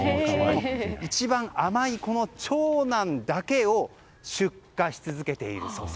一番甘い長男だけを出荷し続けているそうです。